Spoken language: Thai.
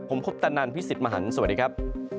ผมคุปตะนันพี่สิทธิ์มหันฯสวัสดีครับ